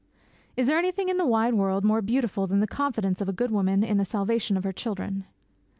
Is there anything in the wide world more beautiful than the confidence of a good woman in the salvation of her children?